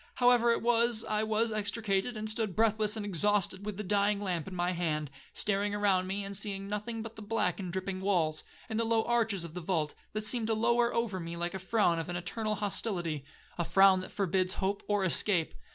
However it was, I was extricated, and stood breathless and exhausted, with the dying lamp in my hand, staring around me, and seeing nothing but the black and dripping walls, and the low arches of the vault, that seemed to lower over me like the frown of an eternal hostility,—a frown that forbids hope or escape.